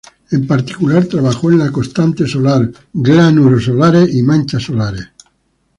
En particular, trabajó en la constante solar, gránulos solares y manchas solares.